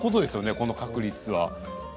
この確率は。